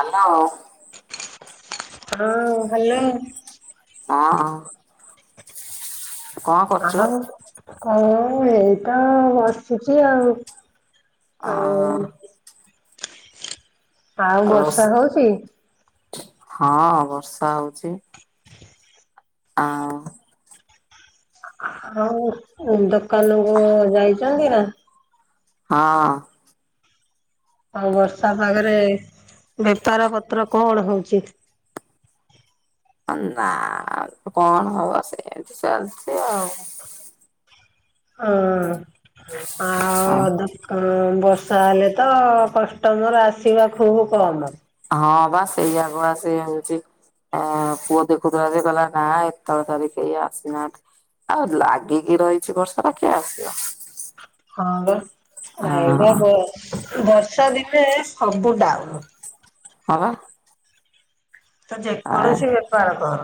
Hello. ହଁ, ଭଲ? ହଁ ହ। କରୁଛୁ? ଆଉ କଣ? ଏଇ ତ ବସିଛି ଆଉ। ଆଉ ଅଁ ହ। ଆଉ, ରୋଷ ବର୍ଷା ହଉଛି? ହଁ, ବର୍ଷା ହଉଛି। ଆଊଁ ଆଉ, ଦୋକାନକୁ ଯାଇଚନ୍ତି ନା? ହଁ। ଆଉ, ବର୍ଷା ପାଗରେ ବେପାର ପତ୍ର କଣ ହଉଚି? ହଁ, ନାଆ କଣ ହବ! ସେମତି ଚାଲିଛି ଆଉ। ହଁ, ଆଉ-ଉ ଦୋ ହଁ, ବର୍ଷା ହେଲେ ତ କଷ୍ଟମର ଆସିବା ଖୁବ୍ କମ୍। ହଁ, ବା ସେଇଆକୁଆ ସେଆ ହଉଛି। ଆ, ପୁଅ ଦେଖୁଥିଲା ଯେ କହିଲା, ମାଁ ଏତେବେଳ ତାରି କେହି ଆସିନାହାଁନ୍ତି? ଆ, ଲାଗିକି ରହିଛି ବର୍ଷାଟା, କିଏ ଆସିବ? ହଁ ବେ ଏବେ ହଁ ବ ବର୍ଷା ଦିନେ ସବୁଡାଉନ୍। ଅ ହଁ। ତ ଯେକୌଣସି ବେପାର କର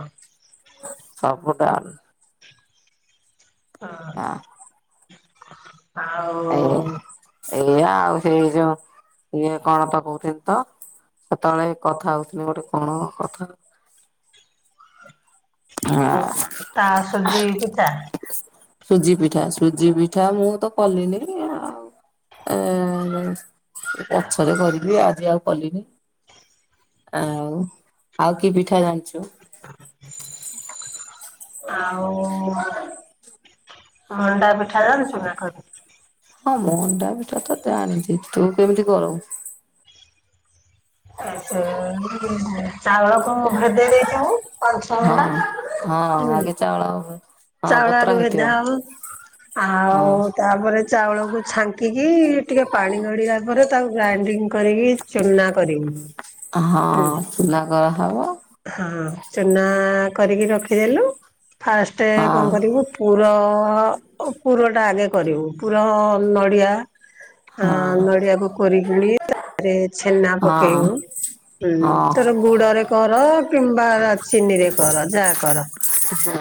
ସବୁଟା ହଁ ହଁ। ଏ ଆଉ ଏଇା ଆଉ ସେଇ ଯୋଉ ଇଏ କଣ ତ କହୁଥିଲି ତ ସେତେବେଳେ କଥା ହଉଥିଲି ଗୋଟେ କଣ କଥା ଆଁ ତା ସଜି ହେଇକି ଚା ସୁଜି ପିଠା ସୁଜି ପିଠା ମୁଁ ତ କଲିନି ଆଉ ହେଁ। ପଛରେ କରିବି ଆଜି ଆଉ କଲିନି। ଆଉ ଆଉ କି ପିଠା ଜାଣିଛୁ? ଆଉ ମଣ୍ଡା ପିଠା ଯାଣିଚୁ ନା କରି? ହଁ ମଣ୍ଡା ପିଠା ତ ଜାଣିଛି ତୁ କେମିତି କରଉ? ଏ ସେଇ ଚାଉଳକୁ ଭେଦେଇ ଦେଇଥିବୁ ପାଞ୍ଚ ଛଅ ଘଣ୍ଟା। ହଁ ହଁ ହୁଁ ଆଗେ ଚାଳ ଚାଉଳ ଆଗେ ଭେଦା ହବ ହଁ ଆଉ ତାପରେ ଚାଉଳକୁ ଛାଙ୍କିକି ଟିକେ ପାଣି ଗଡିଲା ପରେ ତାକୁ ଗ୍ରାଇଣ୍ଡିଙ୍ଗ କରିକି ଚୁନା କରିବୁ। ହଁ ହୁଁ ଚୁନା କରା ହବ। ହଁ ଚୁନା କରିକି ରଖିଦେଲୁ ଫାଷ୍ଟ ହଁ କଣ କରିବୁ ପୁର ପୁର ଟା ଆଗେ କରିବୁ ପୁର ନଡ଼ିଆ ଆଁ ହଁ ନଡ଼ିଆକୁ କୋରିକିଣି ତାପରେ ଛେନା ହଁ ପକେଇବୁ। ହୁଁ ହଁ ତୋର ଗୁଡରେ କର କିମ୍ବା ଚିନିରେ କର ଯାହା କର।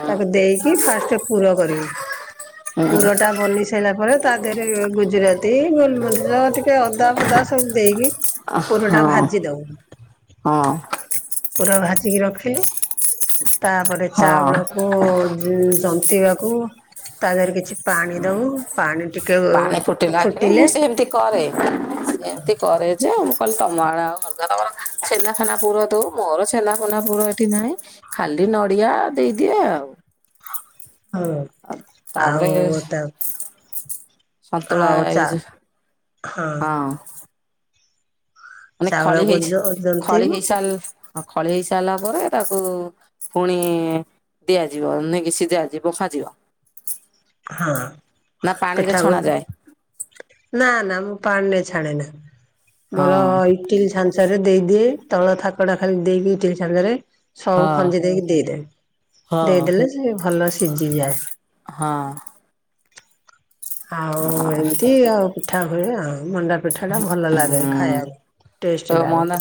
ତାକୁ ଦେଇକି ଫାଷ୍ଟ ପୁର କରିବୁ ପୁର ଟା ବନି ସାରିଲା ପରେ ତା ଦେହରେ ଗୁଜୁରାତି ଗୋଲମରିଚ ଟିକେ ଅଦା ଫଦା ସବୁ ଦେଇକି ଓ ହୋ ପୁରଟା ଭାଜି ଦବୁ ହଁ। ପୁର ଭାଜିକି ରଖିଲୁ ତାପରେ ହଁ ଚାଉଳକୁ ଜନ୍ତିବାକୁ ତା ଦେହରେ କିଛି ପାଣି ଦବୁ ପାଣି ଟିକେ ପାଣି ଫୁଟିଲା କିଣି ଫୁଟିଲେ ମୁଁ ସେମିତି କରେ ସେମତି କରେ ଯେ ମୁଁ କହିଲି ତମ ଆଡଡେ ଆଉ ଅଲଗା ତମର ଛେନା ଫେନା ପୁର ଦଉ ମୋର ଛେନା ଫେନା ପୁର ଏଠି ନାହିଁ। ଖାଲି ନଡିଆ ଦେଇଦିଏ ଆଉ। ହଉ ତାପରେ ଆଉ ତା ସନ୍ତୁଳା ଆଉ ଏଇ ଚା ଜୋ ହଁ। ମାନେ ଖଳି ଚାଉଳକୁ ହେଇଚି ଜ ଖଳି ଜନ୍ତିବୁ ହେଇସରିଲା ଖଳି ହେଇ ସାରିଲା ପରେ ତାକୁ ପୁଣି ଦିଆଯିବ ନେଇ କିଛି ଦିଆଯିବ ଖୋଜିବ। ହଁ ନା ପାଣିରେ ପିଠାକୁ ଛଣା ଯାଏ? ନା ନା ମୁଁ ପାଣିିନେ ଛାଣେ ନା। ମୋର ହଁ ଇ ଇଟିଲ ଛାଞ୍ଚରେ ଦେଇଦିଏ ତଳ ଥାକଟା ଖାଲି ଦେଇକି ଇଟିଲି ଛାଞ୍ଚରେ। ହଁ ସବୁ ଖଞ୍ଜି ଦେଇକି ଦେଇଦାଇ ହଁ ଦେଇଦେଲେ ସି ଭଲ ସିଝିଯାଏ। ହଁ। ଆଉ ହଁ ଏମିତି ଆଉ ପିଠା ହୁଏ ଆଉ ମଣ୍ଡା ପିଠା ଟା ଭଲ ଲାଗେ ଉଁ ଖାଇବାକୁ ଟେଷ୍ଟ ଲାଗେ।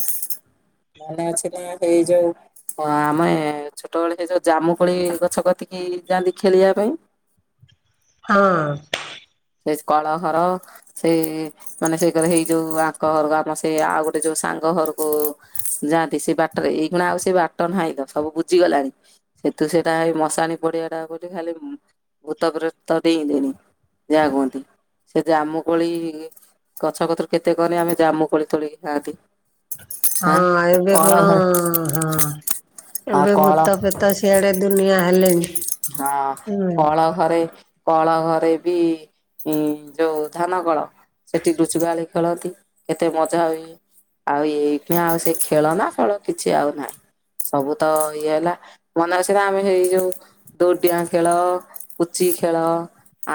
ମାନେ ଅଛି ନା ଏଇ ଯୋଉ ହଁ ଆମେ ଛୋଟବେଳେ ସେ ଯୋଉ ଜାମୁ କୋଳି ଗଛ କତିକି ଯାଆନ୍ତି ଖେଳିବା ପାଇଁ। ହଁ। ସେ କଳହର। ସେଇ ମାନେ ସେଇ ଘରେ ହେଇ ଯୋଉ ଆଙ୍କ ଘରକୁ ଆମ ସେ ଆଉ ଗୋଟେ ଯୋଉ ସାଙ୍ଗ ଘରକୁ। ଯାଆନ୍ତି ସେ ବାଟରେ ଏଇ କୁଣା ଆଉ ସେ ବାଟ ନାହିଁ ଲୋ ସବୁ ବୁଝିଗଲାଣି। ସେତୁ ସେଟା ମଶାଣି ପଡିଆ ଟା ବୋଲି ଖାଲି ଭୂତପ୍ରେତ ଦେଇଲିଣି ଯାହା କୁହନ୍ତି ସେ ଯାମୁ କୋଳି-ଇ-ଇ-ଇ ଗଛ ପତ୍ର କେତେ କହନି ଆମେ ଜାମୁ କୋଳି ତୋଳିକି ଖାଆନ୍ତି। ହଁ ଆଁ ଏବେ କଳ ଘରେ କଣ-ଅ-ଅ-ଅ ହଁ ଆଉ ଏବେ କଳ ଭୂତ, ପ୍ରେତ ଆସି ଏଆଡେ ଦୁନଆ ହେଲେଣି। ହଁ ହୁଁ କଳ ଘରେ କଳ ଘରେ ବି ଇ ଯୋଉ ଧାନ କଳ ସେଠି ଲୁଚକାଳି ଖେଳନ୍ତି, କେତେ ମଜା ହୁଏ। ଆଉ ଏଇଖିଣା ଆଉ ସେ ଖେଳ ନା ଫଳ କିଛି ଆଉ ନାହିଁ। ସବୁ ତ ଇଏ ହେଲା ମନେ ଅଛିନା ଆମେ ହେଇ ଯୋଉ ଦୋଡିଆଁ ଖେଳ, ପୁଚି ଖେଳ,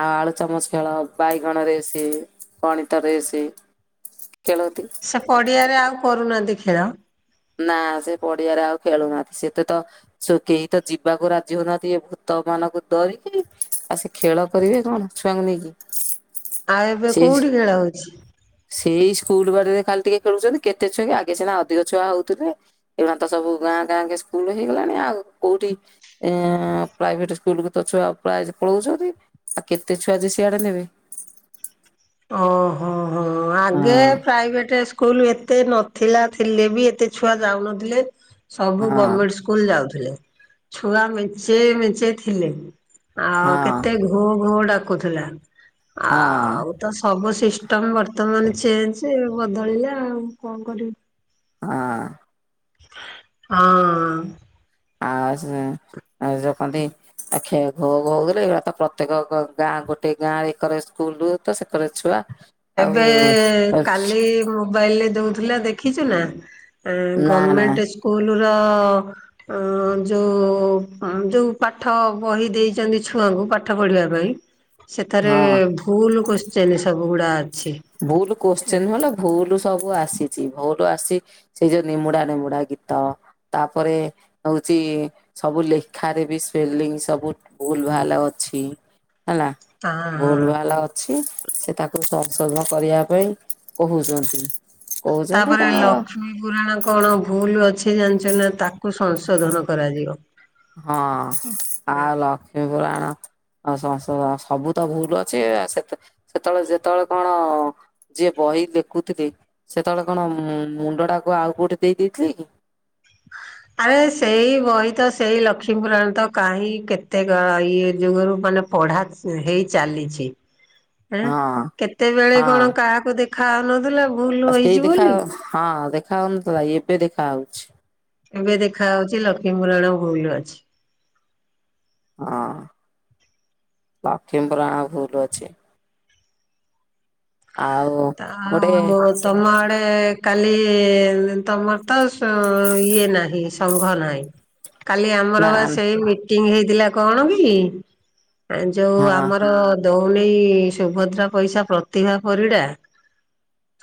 ଆଳୁ ଚାମଚ ଖେଳ, ବାଇଗଣ ରେସେ, ପଣିତ ରେସେ କେଳନ୍ତି। ସେ ପଡ଼ିଆରେ ଆଉ କରୁନାହାଁନ୍ତି ଖେଳ। ନା ସେ ପଡିଆରେ ଆଉ ଖେଳୁନାହାନ୍ତି। ସେତେ ତ ସ କେହି ତ ଯିବାକୁ ରାଜି ହଉନାହାନ୍ତି ଏ ଭୂତ ମାନଙ୍କୁ ଡରିକି। ଆ ସେ ଖେଳ କରିବେ କଣ ଛୁଆଙ୍କୁ ନେଇକି। ଆଉ ଏବେ ସେଇ କୋଉଠି ଖେଳ ହଉଛି? ସେଇ ସ୍କୁଲ ବାଡରେ ଖାଲିି ଟିକେ ଖେଳୁଛନ୍ତି କେତେ ଛୁଆ କି ଆଗେ ସିନା ଅଧିକ ଛୁଆ ହଉ ତୁରେ ଏ ମାନେ ତ ସବୁ ଗାଁ ଗାଁ କେ ସ୍କୁଲ ହେଇଗଲାଣି ଆଉ କୋଉଠି ଏ-ଏ-ଏ ପ୍ରାଇଭେଟ ସ୍କୁଲକୁୁ ତ ଛୁଆ ପ୍ରାୟ ପଳଉଛନ୍ତି। ଆଉ କେତେ ଛୁଆ ଯେ ସିଆଡେ ନେବେ। ଓହୋ ହୋ ହଁ ଆଗେ ପ୍ରାଇଭେଟ୍ ସ୍କୁଲ ଏତେ ନଥିଲା ଥିଲେ ବି ଏତେ ଛୁଆ ଯାଉନଥିଲେ। ସବୁ ହଁ ଗଭର୍ମେଣ୍ଟ ସ୍କୁଲ ଯାଉଥିଲେ, ଛୁଆ ମେଞ୍ଚେ ମେଞ୍ଚେ ଥିଲେ ହଁ ଆଉ କେତେ ଘୋ ଘୋ ଡାକୁଥିଲା। ହଁ, ଆଉ ତ ସବୁ ସିଷ୍ଟମ ବର୍ତ୍ତମାନ ଚେଞ୍ଜ ବଦଳିଲା କଣ କରିବୁ। ହଁ, ହଁ, ଆ ସେ ଆ ସେ କନ୍ତି ଆ ଖେ ଘୋ ଘୋ ବୋଲେ ବାପା ପ୍ରତ୍ୟେକ ଗାଁ ଗୋଟେ ଗାଁ ଏକରେ ସ୍କୁଲ ହୁଏ ତ ସେକରେ ଛୁଆ। ଆଉ ଏବେ-ଏ-ଏ-ଏ କାଲି ମୁ ମୋବାଇଲରେ ଦଉଥିଲା ଦେଖିଛୁ ନା ଅ ନା ନା ଗଭମେଣ୍ଟ ସ୍କୁଲ ର-ଅ-ଅ-ଅ ଅ-ଅ-ଅ ଯୋଉ-ଉ-ଉ ଯୋଉ ପାଠ ବହି ଦେଇଛନ୍ତି ଛୁଆଙ୍କୁ ପା ପାଠ ପଢିବା ପାଇଁ ସେଥିରେ ହଁ ଭୁଲ କୋସଚିନ ସବୁ ଗୁଡା ଅଛି। ଭୁଲ୍ କୋଶ୍ଚିନ ହଁ ନୁହଁଲୋ ଭୁଲ ସବୁ ଆସିଛି ଭୁଲ ଆସି ସେଇ ଯୋଉ ନିମୁଡା ନିମୁଡା ଗୀତ ତାପରେ ହଉଛି ସବୁ ଲେଖାରେ ବି ସ୍ପେଲିଙ୍ଗ ସବୁ ଭୁଲ ଭାଲ ଅଛି। ହେଲା ଭୁଲ୍ ହଁ। ଭାଲ୍ ଅଛି ସେ ତାକୁ ସବ ସ୍ଵର୍ଣ କରିବା ପାଇଁ କହୁଛନ୍ତି। କହୁଛନ୍ତି ତାପରେ ତାଙ୍କର ଲକ୍ଷ୍ମୀ ପୁରାଣ କଣ ଭୁଲ ଅଛି ଜାଣିଛ ନା ତା କୁ ସଂଶୋଧନ କରାଯିବ। ହଁ [unintelligible] ଆ ସଂଶଧନ ସବୁ ତ ଭୁଲ ଅଛି-ଇ-ଇ ସେତେ ସେତେବେଳେ ଯେତେବେଳେ କଣ-ଅ-ଅ-ଅ-ଅ ଯିଏ ବହି ଲେଖୁଥିଲେ ସେତେବେଳେ କଣ ମୁଣ୍ଡ ଟାକୁ ଆଉ କୋଉଟେ ଦେଇ ଦେଇଥିଲେ କି। ଆରେ ସେଇ ବହି ତ ସେଇ ଲକ୍ଷ୍ମୀପୁରାଣ ତ କାହିଁ କେତେ ଗା ଇଏ ଯୁଗରୁ ମାନେ ପଢା ହେଇ ଚାଲିଛି, ହୁଁ ହଁ କେତେବେଳେ କଣ କାହାକୁ ଦେଖା ହଉନଥିଲା। ଭୁଲ ବାସ୍ କେହି ହେଇଛି ଦେଖା ବୋଲି ହଁ ଦେଖା ହଉନଥିଲା ଏବେ ଦେଖା ହଉଛି। ଏବେ ଦେଖା ହଉଛି ଲକ୍ଷ୍ମୀପୁରାଣ ଭୁଲ ଅଛି। ହଁ ଲକ୍ଷ୍ମି ପୂରାଣ ଭୁଲ ଅଛି। ଆଉ ଗୋଟେ [unintelligible] ତମ ଆଡେ କାଲି ତମର ତ ସ ଇଏ ନାହିଁ ସଂଙ୍ଘ ନାହିଁ। କାଲି ନା ଆମର ବା ସେଇ ମିଟିଙ୍ଗି ହେଇଥିଲା କଣ କି। ଏଁ ଯୋଉ ହଁ ଆମର ଦୋଉନେଇ ସୁଭଦ୍ରା ପଇସା ପ୍ରତିଭା ପରିଡ଼ା।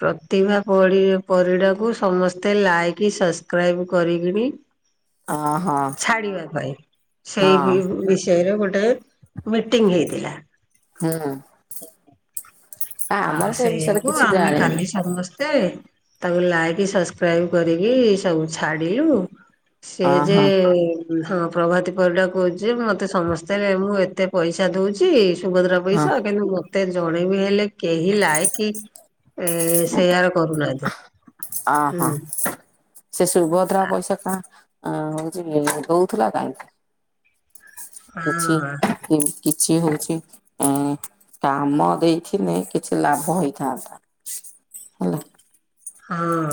ପ୍ରତିଭା ପରିରା ପରିଡ଼ାକୁ ସମସ୍ତେ ଲାଇକ୍ ସସ୍କ୍ରାଇବ କରିକିନି [inaudible] ହଁ ଛାଡିବା ପାଇଁ ହଁ ସେଇ ବି ବିସ୍ ଚୟରେ ଗୋଟେ ମିଟିଙ୍ଗି ହେଇଥିଲା। ହୁଁ। ଆ ଆମର ସେ ବିଷୟରେ ସେଇଆକୁ କିଛି ଆମେ ଜାଣିନି କାଲି ସମସ୍ତେ। ତାକୁ ଲାଇକ୍ ସସ୍କ୍ରାଇବ କରିକି ସବୁ ଛାଡ଼ିଲୁ। ସେ ଯେ ଅହଁ ହଁ ପ୍ରଭତି ପରିଡା କୋହୁଚି ମତେ ସମସ୍ତେ ମୁଁ ଏତେ ପଇସା ଚା ଦୋଉଛି ସୁଭଦ୍ରା ହଁ ପଇସା କିନ୍ତୁ ମତେ ଜଣେ ବିି ହେଲେ କେହି ଲାଇକି ଏ ସେୟାର କରୁନାହାନ୍ତି ହୁଁ। ଅହଁ ସେ ସୁଭଦ୍ରା ପଇସା କଁ ଅଁ ହୋଉଛି ମା ଦୋଉଥୁଲା କାହିଁକି। କିଛି ହଁ କି କିଛି ହୋଉଛି। ଏଁ କାମ ଦେଇଥିଲେ କିଛି ଲାଭ ହେଇଥାନ୍ତା ହେଲା। ହଁ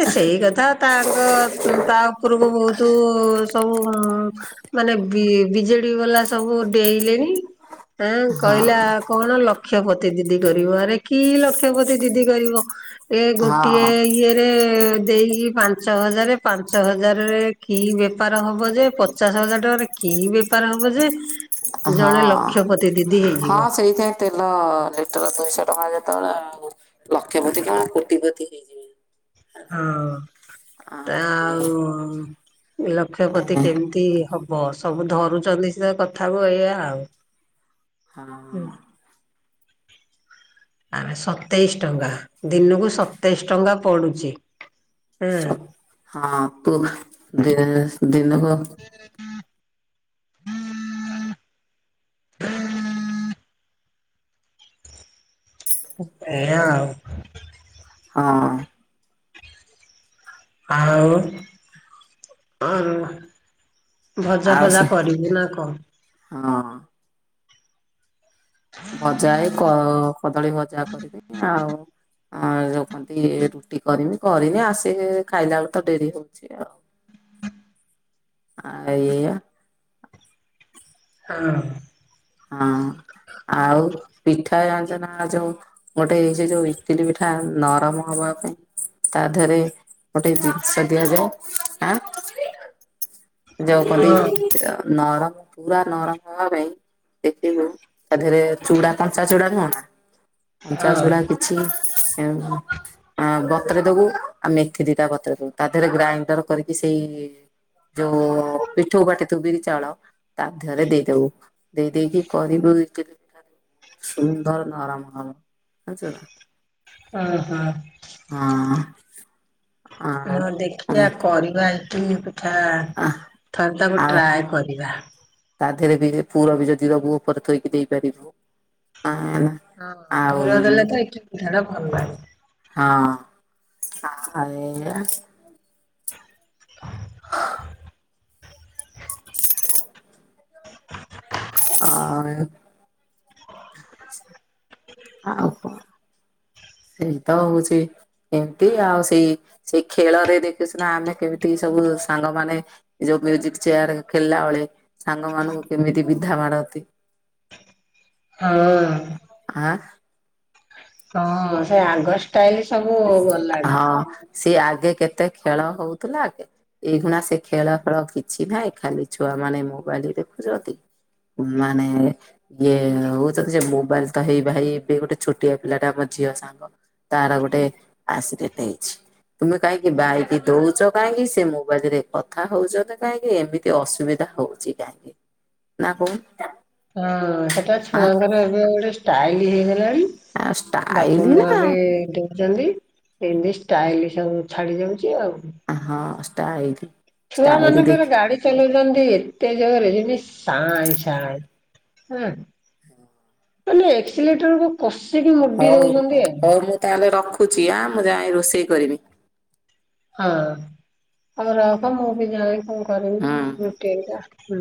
ଏ ସେଇ କଥା ତାଙ୍କ ତା ଓପୁରୁକୁ ବୋହୁତୁ ସବୁ ମାନେ ବି ବିଜେଡି ବାଲା ସବୁ ଡେଇଁଲେଣି ଆଁ ହଁ କହିଲା କଣ ଲକ୍ଷପତି ଦିଦି କରିବ ଆରେ କି ଲକ୍ଷପତି ଦିଦି କରିବ ଏ ଗୋ ହଁ ଇଏରେ ଦେଇକି ପାଞ୍ଚ ହଜାର ପାଞ୍ଚ ହଜାରରେ କି ବେପାର ହବ ଯେ ପ ପଚାଶ ହଜାର ଟଙ୍କାରେ କି ବେପାର ହବ ଯେ ଜଣେ ହଁ। ଲକ୍ଷପତି ଦିଦି ହଁ ହେଇଯିବ। ସେଇଥିପାଇଁ ତେଲ ଲିଟର ଦୁଇଶହ ଟଙ୍କା ଯେତୋବେଳେ ଆଉ ଲକ୍ଷପତି କଣ କୋଟିପତି ହେଇ ହଁ ତ ହଁ ଆଉ ଲକ୍ଷପତି କେମିତି ହ ବ ସବୁ ଧରୁଚନ୍ତି ସିଧା କଥାକୁୁ ଏଇଆ ଆଉ ହଁ ଆମେ ସତେଇଶ ଟଙ୍କା ଦିନୁକୁ ସତେଇଶ ଟଙ୍କା ପଡୁଚି ହୁଁ। ଅପୁ ଦିସ୍ ଦିନୁକୁ [inaudible] ଏୟା ଆଉ। ହଁ। ଆଉ। [unintelligible] ଭଜା ଆଉ ଫଜା ସେ କରିବୁ ନା କଣ। ହଁ। ଭଜା ଏଇ କ କଦଳୀ ଭଜା କରିବି ଆଉ ଆଉ ଯଉ କନ୍ତି ରୁଟି କରିମି କରିନି ଆସ ଖାଇଲା ଆଳୁତ ଡେରି ହୋଉଛି ଆଉ। ଆଉ ଏଇ ଏଇଆ ହଁ। ହଁ ଆଉ ପିଠା ଜାଣିଚ ନା ଯୋଉ ଗୋଟେ ଏଇ ସେଇ ଯୋଉ ଇଟିଲି ପିଠା ନରମ ହବା ପାଇଁ ତା ଦେହରେ ଗୋଟେ ଜିନ୍ସ ଦିଆଯାଏ ଆଁ ଯୋଉ ହଁ କୁହନ୍ତି ନରମ ପୁରା ନରମ ହବା ପାଇଁ ଦେଖିବୁ ତାଦେହରେ ଚୁଡା କଞ୍ଚା ଚୁଡା ନୁହଁ ନା ହଁ କଞ୍ଚା ଚୁଡା କିଛି ଏମ୍ ଅଁ ବତୁରେଇ ଦୋବୁ ଆଉ ମେଥି ଦିଇଟା ବତୁରେଇ ଦୋବୁ ତା ଦେହେରେ ଗ୍ରାଇଣ୍ଡର କରିକି ସେଇ ଯୋଉ ପିଠୋଉ ବାଟିଥିବୁ ବିରି ଚାଉଳ ତା ଦେହରେ ଦେଇଦୋବୁ। ଦେଇ ଦେଇକି କରିବୁ ଇଟିଲି ସୁନ୍ଦର ନରମ ହବ ଜାଣିଚୁ ନା। ଅଁହଁ। ହଁ। ଆଉ ହଁ ହଁ ଦେଖିଆ କରିବା ଇଟିଲି ପିଠା ଆ ଥରେ ତାକୁ ଆଉ ଟ୍ରାଏ କରିବା। ତା ଦେହେରେ ବିରି ପୁର ବି ଯଦି ଦୋବୁ ଓପୋରେ ଥୋଇକି ଦେଇପାରିବୁ ଆ ହଁ ପୁର ଦେଲେ ତ ଇଟିଲି ପିଠାଟା ଭଲ ଲାଗେ। ହଁ ଆଉ ଏଇୟା। [unintelligible] ଆଉ କଣ ସେଇ ତ ହୋଉଚି। ଏମିତି ଆଉ ସେଇ ସେଇ ଖେଳରେ ଦେଖୁ ସିନା ଆମେ କେମିତି ସବୁ ସାଙ୍ଗମାନୋ ଯୋଉ ମ୍ୟୁଜିକ୍ ଚେୟାର ଖେଳିଲା ବୋଳେ ସାଙ୍ଗ ମାନଙ୍କୁ କେମିତି ବିନ୍ଧା ମଡନ୍ତି। ହଁ। ଆଁ ହଁ ସେଇ ଆଗ ଷ୍ଟାଇଲ ସବୁ ଗଲାଣି। ହଁ ସିଏ ଆଗେ କେତେ ଖେଳ ହୋଉଥୁଲା ଆଗେ ଏଇଖୁଣା ସେ ଖେଳ ଫେଳ କିଛି ନାହିଁ ଖାଲି ଛୁଆ ମାନେ ମୋବାଇଲି ଦେଖୁଚନ୍ତି। ଉଁ ମାନେ ଇଏ ହୋଉ ତତେ ସେ ମୋବାଇଲ ତ ହେଇ ଭାଇ ଏ ଗୋଟେ ଛୋଟିଆ ପିଲାଟା ଆମ ଝିଅ ସାଙ୍ଗ ତାର ଗୋଟେ ଆସିଡେଟେ ହେଇଛି। ତୁମେ କାହିଁକି ବାଇକି ଦୋଉଚ କାହିଁକି ସେ ମୋବାଇଲ ରେ କଥା ହୋଉଚନ୍ତି କାହିଁକି ଏମିତି ଅସୁବିଧା ହୋଉ ଚି କାହିଁକି ନା କୋହୂନୁ। ହଁ ସେଟା ଛୁଆଙ୍କର ଏବେ ଗୋଟେ ଷ୍ଟାଇଲ ହେଇଗଲାଣି ଆଉ ଷ୍ଟାଇଲ ବାପ ମାଆ ବି ନା ଦୋଉ ଚନ୍ତି ଇନ୍ତି ଷ୍ଟାଇଲି ସବୁ ଛାଡି ଯାଉଚି ଆଉ ହଁ ଷ୍ଟାଇଲି। ଛୁଆ ମାନଙ୍କୁ [unintelligible] ଗାଡି ଚଲୋଉଚନ୍ତି ଏତେ ଜୋରେ ଯେମିତି ସାଇଁ ସାଇଁ ହୁଁ। ମାନେ ଏକ୍ସିଲେଟରକୁ କଷିକି ମୋଡ଼ି ହଉ ଦୋଉଚନ୍ତି ଆଉ ହଉ ମୁଁ ତାହେଲେ ରଖୁଛି ଆଁ ମୁଁ ଯାଏ ରୋଷେଇ କରିବି। ହଁ ହୋଉ ରଖ ମୁଁ ବି ଯାଏ କଁ କରିବି ହୁଁ। ରୁଟି ହାରିକା ହୁଁ।